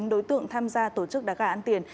bốn đối tượng tham gia tổ chức đá gà ăn tiền